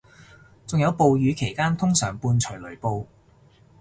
仲有暴雨期間通常伴隨雷暴